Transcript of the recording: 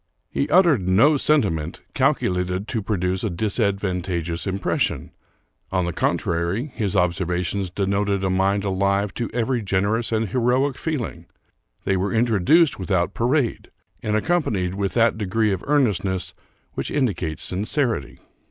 He uttered no sentiment calculated to produce a disadvantageous impression ; on the contrary, his observations denoted a mind alive to every gen erous and heroic feeling. They were introduced without parade, and accompanied with that degree of earnestness which indicates sincerity.